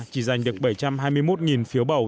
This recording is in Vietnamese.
chỉ giành được bảy trăm hai mươi một phiếu bầu